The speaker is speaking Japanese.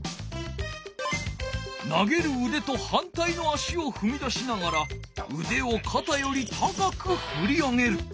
投げるうでとはんたいの足をふみ出しながらうでをかたより高くふり上げる。